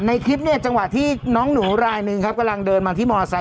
ในคลิปเนี่ยจังหวะที่น้องหนูรายหนึ่งครับกำลังเดินมาที่มอไซค